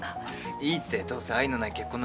いいってどうせ愛のない結婚なんだし。